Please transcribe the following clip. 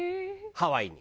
ハワイに。